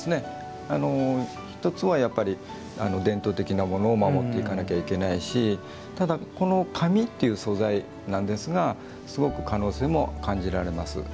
１つは伝統的なものを守っていかないといけないしただ、この紙っていう素材すごく可能性も感じられます。